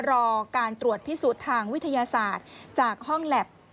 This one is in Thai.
รอการตรวจพิสูจน์ทางวิทยาศาสตร์จากห้องแล็บ